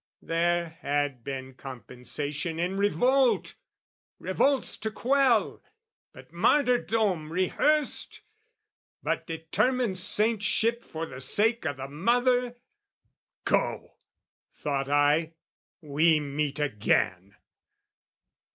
There had been compensation in revolt Revolt's to quell: but martyrdom rehearsed, But determined saintship for the sake O' the mother? "Go!" thought I, "we meet again!"